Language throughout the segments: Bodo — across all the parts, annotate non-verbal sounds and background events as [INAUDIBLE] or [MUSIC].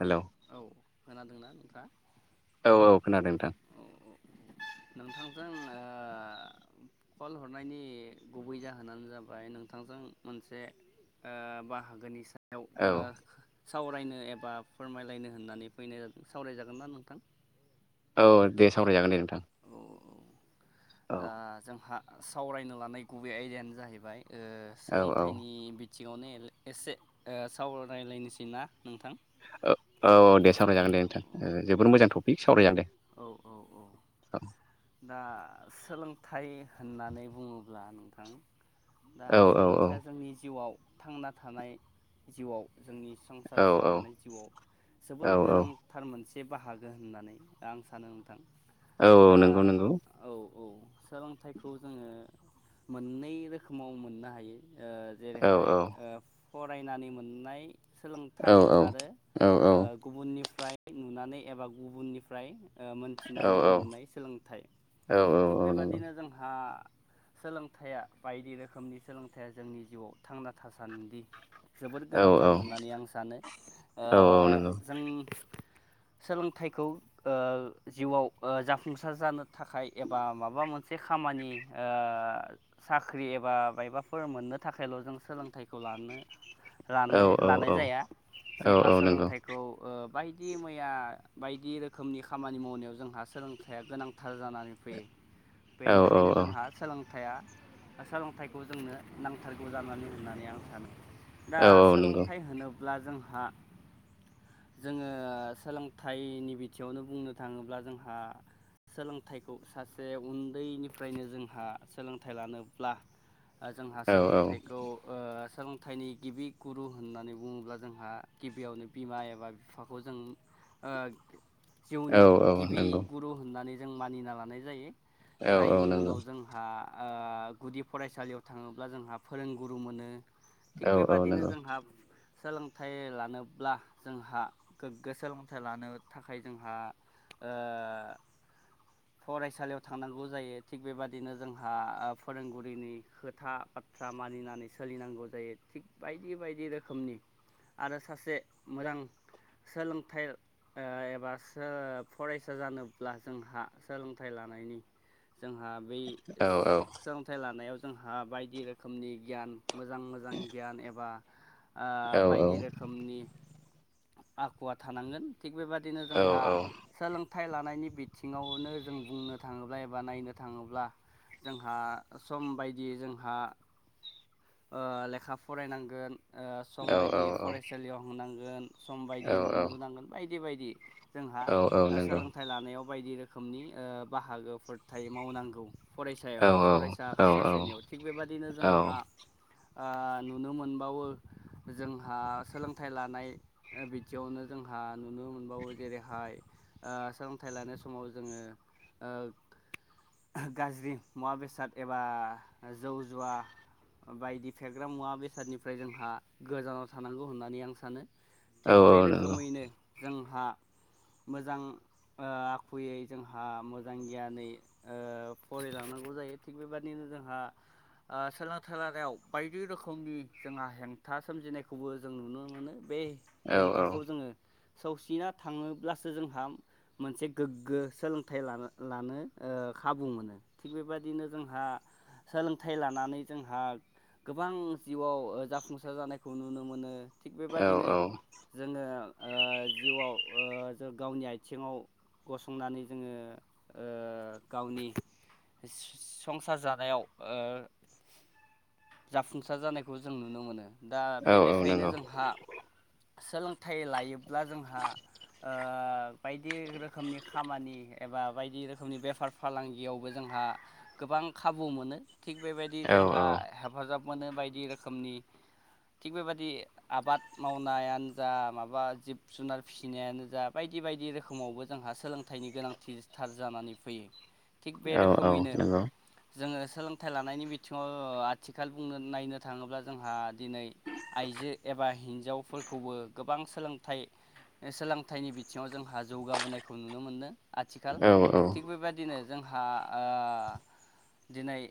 हेलौ औ खोनादोंना नोंथांङा? औ औ खोनादों नोंथां आ कल हरनायनि गुबै जाहोनानो जाबाय नोंथांजों मोनसे ओ बाहागोनि सायाव औ ओ सावरायनो एबा फोरमाय लायनो होननानै फैनाय सावरायजागोन ना नोंथां? औ दे सावरायजागोन दे नोंथां औ औ औ दा जोंहा सावरायनो लानाय गुबै आयदायानो जाहैबाय ओ औ औ सोलोंथाइनि बि थिंङावनो एल एसे ओ सावरायलायनोसै ना नोंथां? औ औ दे सावरायजागोन दे नोंथां जोबोद मोजां टपिक सावरायजागोन दे औ औ औ औ दा सोलोंथाइ होननानै बुंङोब्ला [UNINTELLIGIBLE] दा औ औ औ सोलोंथाइया जोंनि जिउआव थांना थानाय जिउआव जोंनि संसार औ जालांनाय जिउआव जोबोर औ औ गोनांथार मोनसे बाहागो होननानै आं सानो नोंथां औ औ दा नोंगौ नोंगौ औ औ सोलोंथाइखौ जोंङो मोननै रोखोमाव मोननो हायो ओ औ जेरैहाय औ ओ फरायनानै मोननाय सोलोंथाइ औ औ आरो औ औ ओ गुबुननिफ्राय नुनानै एबा गुबुननिफ्राय ओ मोनथिनानै मोननाय सोलोंथाइ औ औ थिग औ नंगौ बेबादिनो जोंहा सोलोंथाइया बायदि रोखोमनि सोलोंथाइया जोंनि जिउआव थांना थासान्दि जोबोद औ गोनांथार औ होननानै आं सानो ओ औ नंगौ जों सोलोंथाइखौ ओ जिउआव ओ जाफुंसार जानो थाखाय एबा माबा मोनसे खामानि ओ ओ साख्रि एबा मायबाफोर मोननो थाखायल' जों सोलोंथाइखौ लानो औ लानै औ लानाय जाया जोंहा औ नंगौ सोलोंथाइखौ ओ बाय बायदि मैया बायदि रोखोमनि खामानि मावनायाव जोंहा सोलोंथाइया गोनांथार जानानै फैयो औ बेनिखायनो जोंहा सोलोंथाइया सोलोंथाइखौ जोंनो नांथारगौ जानानै होननानै आं सानो दा औ औ नंगौ सोलोंथाइ होनोब्ला ब्ला जोंहा जोंङो सोलोंथाइनि बि थिंयावनो बुंनो थांङोब्ला जोंहा सोलोंथाइखौ सासे उन्दैनिफ्रायनो जोंहा सोलोंथाइ लानोब्ला ओ जोंहा औ नंगौ औ सोलोंथाइखौ ओ सोलोंथाइनि गिबि गुरु होननानै बुंङोब्ला जोंहा गिबियावनो बिमा एबा बिफाखौ जों ओ जिउनि गिबि गुरु होननानै जों मानिना लानाय जायो। औ जायनि नंगौ औ उनाव नंगौ जोंहा ओ गुदि फरायसालियाव थांङोब्ला जोंहा फोरोंगुरु मोनो थिग औ बेबादिनो जोंहा सोलोंथाइ लानोब्ला जोंहा गोग्गो सोलोंथाइ लानो थाखाय जोंहा ओ फरायसालियाव थांनांगौ जायो थिग बेबादिनो जोंहा फोरोंगुरिनि खोथा बाथ्रा मानिनानै सोलिनांगौ जायो थिग बायदि बायदि रोखोमनि आरो सासे मोजां सोलों ओ एबा सो फरायसा जानोब्ला जोंहा सोलोंथाइ लानायनि जोंहा बै औ औ सोलोंथाइ लानायाव जोंहा बायदि रोखोमनि गियान मोजां मोजां गियान एबा ओ औ बायदि औ रोखोमनि आखुवा थानांगोन थिग बेबादिनो जोंहा सोलों थाय लानायनि बिथिङावनो जों बुंनो थाङोब्ला एबा नायनो थाङोब्ला जोंहा सम बायदि जोंहा ओ लेखा फरायनांगोन ओ सम औ बायदि औ औ फरायसालियाव होनांगोन सम औ बायदि उन्दुनांगोन बायदि बायदि जोंहा औ औ ओ नंगौ सोलोंथाइ लानायाव बायदि रोखोम खोमनि ओ बाहागोफोर थायो मावनांगौ औ फरायसायाव फरायसा औ सासेनियाव थिग बेबादिनो औ जोंहा ओ नुनो मोनबावो जोंहा सोलोंथाइ लानाय बिदियावनो जोंहा नुनो मोनबावो जेरैहाय ओ सोलोंथाइ लानाय समाव जोङो ओ गाज्रि मुवा बेसाद एबा जौ जुवा बायदि फेग्रा मुवा बेसादनिफ्राय जोंहा गोजानाव थानांगौ होननानै आं सानो औ थिग औ बे नंगौ रोखोमैनो जोंहा मोजां ओ आखुयै जोंहा मोजां गियानै ओ फरायलांनांगौ जायो थिग बेबादिनो जोंहा ओ सोलों थेलारायाव बायदि रोखोमनि जोंहा हेंथा सोमजिनायखौबो जों नुनो मोनो बे औ हेंथाखौ जोङो सौसिना थाङोब्लासो जोंहा मोनसे गोग्गो सोलोंथाइ लानो लानो ओ खाबु मोनो थिग बेबायदिनो जोंहा सोलोंथाइ लानानै जोंहा गोबां जिउआव जाफुंसार जानायखौ नुनो मोनो थिग औ बेबादिनो जोङो ओ जिउआव ओ ज गावनि आथिङाव गसंनानै जोङो ओ गावनि सिस संसार जानायाव ओ जाफुंसार जानायखौ जों नुनो मोनो दा औ बे औ नंगौ औ लेखायैनो नंगौ जोंहा सोलोंथाइ लायो ब्ला जोंहा ओ बायदि रोखोमनि खामानि एबा बायदि रोखोमनि बेफार फालांगियावबो जोंहा गोबा गोबां खाबु मोनो थिग बेबायदि औ जोंहा हेफाजाब मोनो बायदि रोखोमनि थिग बेबायादि आबाद मावनायानो जा माबा जिब जुनार फिसिनायानो जा बायदि बायदि बायदि रोखोमावबो जोंहा सोलोंथाइनि गोनांथिथार जानानै फैयो थिग बे औ औ रोखोमैनो जोङो सोलोंथाइ लानायनि बिथ थिङाव आथिखाल बुंनो नायनो थाङोब्ला जोंहा दिनै आइजो एबा हिनजावफोर खौबो गोबां सोलोंथाइ सोलोंथाइनि बिथिङाव जोंहा जौगाबोनायखौ नुनो मोनदों आथिखाल थिग बेबायदिनो जोंहा ओ दिनै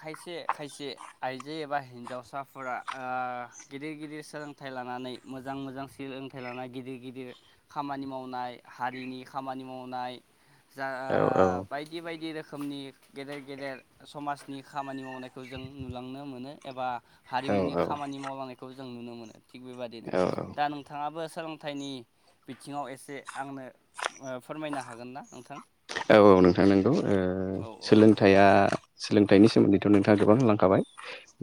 खायसे खायसे आइजो एबा हिन्जावसाफोरा ओ गिदिर गिदिर सोलोंथाइ लानानै मोजां मोजां सोलोंथाइ लानाय गिदिर गिदिर खामानि मावनाय हारिनि खामानि मा मावनाय जा ओ बायदि बायदि रोखोमनि गेदेर गेदेर समाज नि खामानि मावनायखौ जों नुलांनो मोनो एबा हारिमुनि खामानि मावलांनायखौ जों नुनो मोनो थिग बेबायदिनो औ दा नोंथाङाबो सोलोंथाइनि बिथिङाव एसे आंनो फोरमायनो हागोन ना नोंथां? औ औ नोंथां नंगौ ओ औ औ औ सोलोंथाइया सोलोंथाइनि सोमोन्दैथ नोंथाङा गोबां लांखाबाय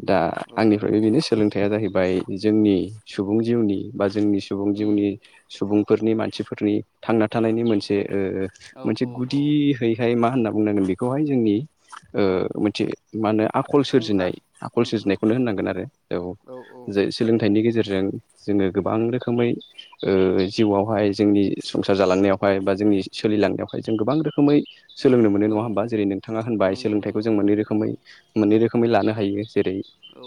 दा औ आंनिफ्रायबो बेनो सोलोंथाइ हया जाहैबाय जोंनि सुबुं जिउनि बा जोंनि सुबुं उम जिउनि सुबुं फोरनि मानसिफोरनि थांना थानायनि मोनसे ओ औ मोनसे औ औ गुदियैहाय मा होनना बुंनांगोन बेखौहाय जोंनि ओ औ मोनसे मा होनो आखल फुंखा सोरजिनाय आखल उम उम सोरजिनायखौनो उम होननांगोन उम आरो औ जे सोलोंथाइनि गेजेरजों जों जोंङो गोबां रोखोमै ओ जिउआवहाय जोंनि संसार जालांनायावहाय बा जों जोंनि सोलिलांनायावहाय जों गोबां रोखोमै सोलोंनो मोनो नङा औ होमबा जेरै नोंथाङा होनबाय नंगौ सोलोंथाइखौ नंगौ जों मोननै नंगौ रोखोमै औ मोननै रोखोमै लानो हायो। जेरै औ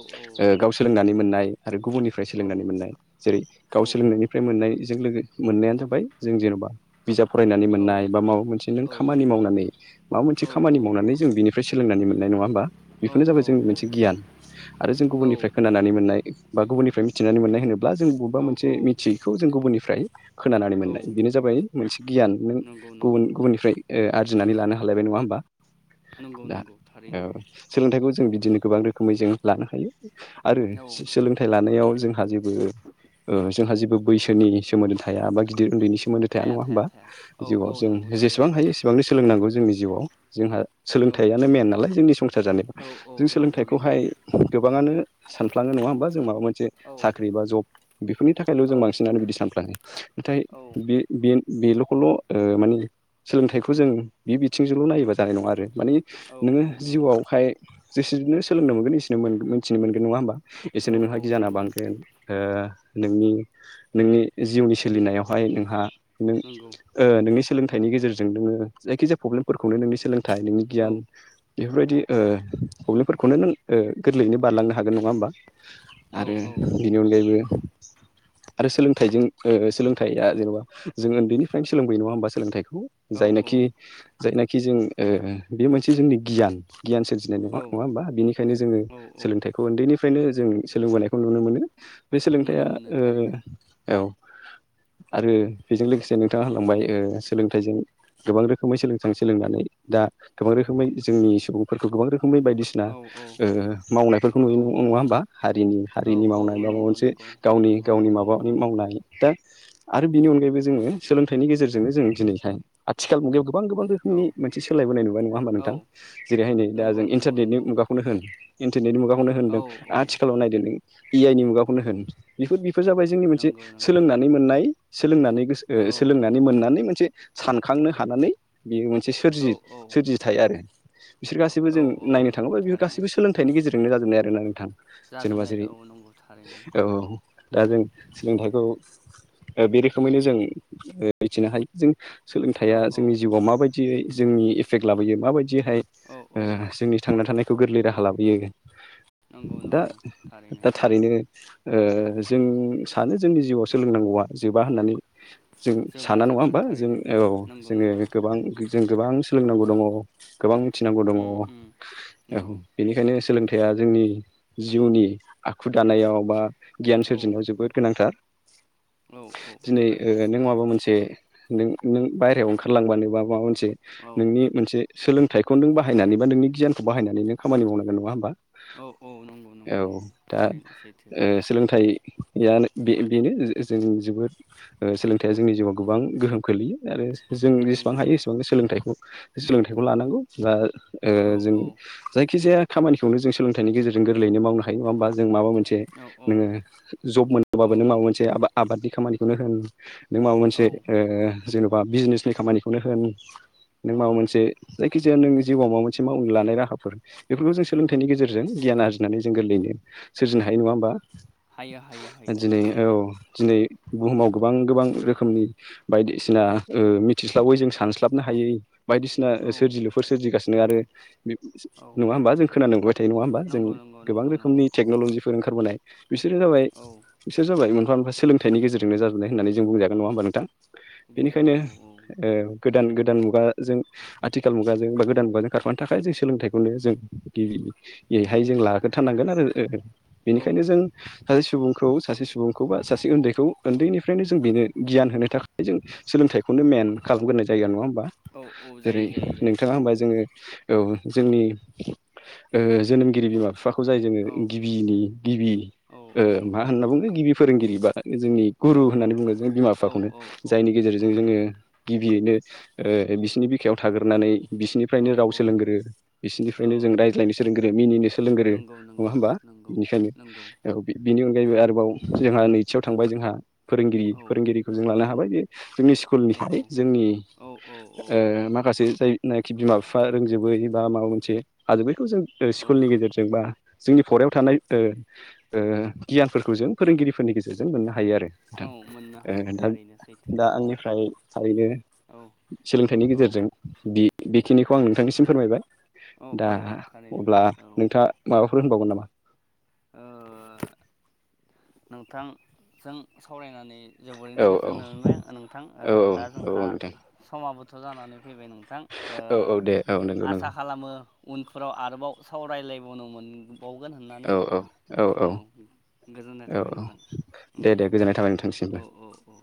गाव सोलोंनानै मोननाय आरो गुबुननिफ्राय औ सोलोंनानै मोननाय जेरै गाव औ सोलोंनायनिफ्राय मोननायजों लोगो मोननायानो जाबाय जों जेन'बा बिजाब फरायनानै औ मोननाय बा माबा मोनसे नों औ खामानि मावनानै मा मोनसे औ खामानि मावनानै जों बिनिफ्राय सोलोंनानै मोननाय नङा हब बेखौ जा जाबाय जों मोनसे गियान आरो जों गुबुननिफ्राय खोनानानै मोननाय बा गुबुननिनानै मोननाय होनो जों बबेबा औ मोनसे मिथियैखौ जों गुबुननिफ्राय खोनानानै औ मोननाय बेनो जाबाय मोनसे गियान न नंगौ नंगौ गुबनिफ्राय आरजिनानै लानो हालायबाय नङा हबा नंगौ दा नंगौ थारैनो सोलोंथखौ जों बिदिनो गोबां रोखोमै जों लानो हायो आरो औ सोलोंथाइ लानायाव जों ओ जोंहा जेबो बैसोनि सोमोनदै थया बा गिदिर उन्दैनि सोमोन्दो थाया नङा होमबा थाया औ जिउआव औ जों नंगौ जेसेबां थारैनो हायो एसेबांनो सोलोंनांगौ जोंनि जिउआव जोंहा औ सोलोंथाइयानो मेन नालाय जोंनि संसार जानायाव औ औ जों नंगौ नंगौ सोलोंथाइखौहाय गोबाङानो सानफ्लाङो नङा होमबा जों माबा मोनसे औ साख्रि बा जब बेफोरनि थाखायल' औ जों बांसिनानो बिदि सानफ्लाङो औ बे [UNINTELLIGIBLE] बेल'खौल' ओ माने सोलोंथाइखौ जों बे बिथिंजोंल' नायोबा जानाय नङा आरो। मानि नोंङो औ नंगौ जिउआवहाय जेसेबनो सोलोंनो मोनगोन एसेनो मोनथिनो मोनगोन नङा होमबा औ एसनो नोंहा औ गियाना नंगौ बांगोन ओ नोंनि नोंनि जिउनि सोलिनायावहाय नोंहा नों नंगौ ओ नोंनि सोलोंथाइनि गेजेरजों नोंङो जायखिजाया प्रब्लेमफोरखौनो नोंनि सोलोंथाइ नोंनि औ गियान बेफोरबायदि ओ प्रब्लेमफोरखौनो नों ओ गोरलैयैनो बारलांनो हागोन नङा होमबा। औ आरो बेनि अनगायैबो आरो सोलोंथाइजों सोलोंथाइया जेन'बा जों उन्दैनिफ्रायनो सोलोंबोयो नङा होमबा सोलोंथाइखौ औ जायनाखि जायनाखि जों ओ बे मोनसे जोंनि गियान। गियान सोरजिनाय नङा नङा औ होमबा बिनिखायनो जोंङो औ औ सोलोंथाइखौ उन्दैनिफ्रायनो जों सोलोंबोनायखौ नुनो मोनो। बे मोनो मोनो थारैनो सोलोंथायाइया ओ औ आरो बेजों लोगोसेनो बिथा होलांबाय सोलोंथाइजों गोबां रोखोमै सोलों सोलोंनानै दा गोबां रोखोमै जोंनि सुबुंफोरखौ गोबां रो खुमै बायदिसिना औ ओ मावनायफोरखौ औ नुयो नङा होमबा हारिनि हारिनि औ मावनाय औ बा माबा नंगौ मोनसे। नंगौ गावनि औ गावनि औ औ माबानि मावनाय दा आरो बिनि अनगायैबो जोंङो सोलोंथाइनि गेजेरजोंनो जों दिनैहाय आथिखाल मुगायाव गोबां गोबां औ रोखोमनि मोनसे सोलायबोनाय नुबाय नङा होमबा नोंथां औ जेरैहाय नै दा नंगौ जों नंगौ इन्टारनेटनि नंगौ मुगाखौनो होन। नायनि मुगाखौनो औ होनदों औ आथिखालाव नायदों इ आइनि मुगाखौनो होनदों बेफोर बेफोर जाबाय जोंनि मोनसे नंगौ नंगौ सोलोंनानै मोननाय सोलोंनानैस औ सोलोंनानै मोननानै मोनसे सानखांनो हानानै बेयो मोनसे औ सोरजि औ सोरजिथाय आरो बिसोर गासैबो औ जों औ नायनो नंगौ थाङोबा बेफोर थारैनो गासैबो सोलोंथाइनि गेजेरनो जाजोबनाय आरोना नोंथां। जेनेबा जाजुनाय जेरै औ नंगौ थारैनो औ दा जों सोलोंथाइखौ ओ बे रोखोमैनो जों मिथिनो हायो जों औ सोलोंथाइया औ जोंनि जिउआव माबायदियै जोंनि एफेक्ट लाबोयो माबायदि बिदिहाय औ ओ औ जोंनि थांना थानायखौ गोरलै राहा लाबोयो। नंगौ दा नंगौ दा थारैनो ओ जों सानो जोंनि जिउआव सोलोंनांगौआ जोबा होननानै। जों जोबा साना नङा जोबा होमबा जों थारैनो औ नंगौ जोंङो नंगौ गोबां जों गोबां सोलोंनांगौ दङ। गोबां मिथिनांगौ दङ उम औ उम नंगौ बेनिखायनो सोलों थाइया जोंनि जिउनि आखु दानायाव बा गियान औ सोरजिनायाव जोबोद गोनांथार। औ औ थारै ओ नों माबा मोनसे नों नों बायरायाव ओंखारलांबानो बा माबा मोनसे औ नोंनि मोनसे सोलोंथाइखौ नों बाहायनानै बा नोंनि गियानखौ बाहायनानै नों खामानि मावनांगोन नङा होमबा? औ औ नंगौ नंगौ औ नंगौ दा थारैनो सैथो ओ सोलोंथाइ यानो बे-बेनो जों जोबोद ओ सोलोंथाइया जोंनि जिउआव गोबां गोहोम खोलैयो आरो जों जेसेबां नंगौ हायो एसेबां सोलोंथाइखौ सोलोंथाइखौ लानांगौ बा ओ औ जों औ जायखिजाया खामानिखौनो जों सोलोंथाइनि गेजेरजों गोरलैयैनो मावनो हायो नङा होमबा? जों माबा मोनसे औ औ नोङो जब मोनोबाबो औ नों माबा नोंथां मोनसे आबा आबादनि खामानिखौनो होन नों माबा मोनसे औ ओ जेन'बा बिजनेसनि खामानिखौनो होन नों माबा औ मोनसे जायखिजाया नों जिउआव माबा मोनसे मावनो लानाय राहाफोर बेफोरखौ जों सोलोंथाइनि गेजेरजों गियान आरजिनानै जों गोरलैनो सोरजिनो हायो नङा होमबा हायो हायो हायो दिनै थारैनो औ सैथो दिनै बुहुमाव गोबां गोबां रोखोमनि बायदिसिना ओ मिथिस्लाबै जों सानस्लाबनो हायै बायदिसिना औ सोरजिलुफोर सोरजिगासिनो आरो नों सि सि औ नङा होमबा जों खोनानो मोनबाय थायो नङा होमबा जों नंगौ नंगौ गोबां नंगौ नंगौ रोखोमनि टेक्न'लजिफोर ओं खारबोनाय बिसोर जाबाय औ बिसोर जाबाय मोनफा मोनफा सोलोंथाइनि गेजेरजोंनो जा नाय होननानै जों बुंजागोन नङा होमबा नोंथां बेनिखायनो बुंजागोन औ ओ गोदान गोदान मुगाजों आथिखाल मुगाजों बा गोदान मुगाजों खारफानो थाखाय जों सोलोंथाइखौनो जों गिबि बेहाय जों लाग्रोथारनांगोन आरो ओ ओ औ बेनिखायनो जों सासे सुबुंखौ सासे सुबुंखौ बा सासे ओन्दैखौ ओन्दैनि फ्रायनो जों बेनो गियान होनो थाखाय जों सोलोंथाइखौनो मेन खालामग्रोनाय जायो नङा होम बा औ औ जेरै जायो जायो जायो नोंथाङा होमबा थारैनो जोङो औ जोंनि ओ जोनोमगिरि बिमा फिफा खौ जाय जोङो औ गिबिनि गिबि औ ओ औ मा औ होनना बुङो गिबि फोरोंगिरिबा जों औ गुरु औ होननानै बुङो जों बिमा औ बिफाखौनो जायनि गेजेरजों औ जोङो गिबियैनो ओ बिसिनि बिखायाव थाग्रोनानै बिसिनिफ्रायनो औ राव औ सोलोंगोरो बिसिनिफ्रायनो जों औ रायज्लायनो सोलोंगोरो मिनिनो सोलोंगोरो नंगौ नङा नंगौ होमबा? नंगौ बिनिखायनो नंगौ औ बिनि अनगायैबो आरोबाव जोंहा नैथियाव थांबाय जोंहा फोरोंगिरि औ फोरोंगिरिखौ जों औ लानो हाबाय बे जोंनि औ स्कुलनिफ्राय जोंनि औ ओ औ माखासे जाय नाखि बिमा फिफा रोंजोबे बा माबा मोनसे हाजोबैखौ जों ओ औ स्कुलनि गेजेरजों बा जोंनि फरायाव थानाय ओ ओ गियानफोरखौ जों फोरोंगिरिफोरनि गेजेरजों मोननो हायो आरो। नोंथां औ मोननो ओ हायो नोंथां थारैनो सैथो दा आंनिफ्राय थारैनो औ सोलोंथाइनि औ गेजेरजों बि-बि खिनिखौ आं नोंथांनिसिम फोरमायबाय औ दा औ थारैनो अब्ला नोंथाङा माबा फोर होनबावगोन नामा? ओ नोंथां जों सावरायनानै जोबोरैनो औ औ गोजोननाय मोनबाय ओ नोंथां औ औ दा औ जोंहा औ नोंथां समाबोथ' जानानै फैबाय नोंथां ओ औ औ दे औ नंगौ आसा नंगौ खालामो उनफोराव आरोबाव सावरायलायबावनो मोन बावगोन होननानै औ गोजोननाय औ थाबाय औ नोंथां औ दे दे गोजोननाय थाबाय औ नोंथांनिसिमबो। औ औ